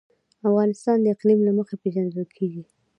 افغانستان د اقلیم له مخې پېژندل کېږي.